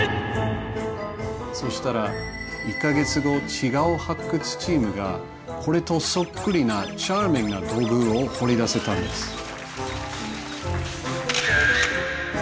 そしたら１か月後違う発掘チームがこれとそっくりなチャーミングな土偶を掘り出せたんです。